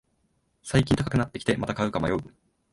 最近高くなってきて、また買うか迷う